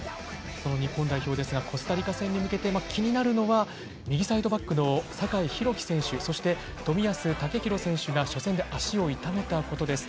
その日本代表ですがコスタリカ戦に向けて気になるのは右サイドバックの酒井宏樹選手、そして冨安健洋選手が初戦で足を痛めたことです。